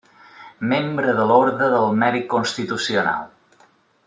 Membre de l'Orde del Mèrit Constitucional.